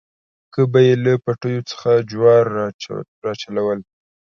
کله به یې له پټیو څخه جوار راچلول.